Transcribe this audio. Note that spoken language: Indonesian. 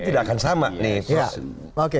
tidak akan sama nih oke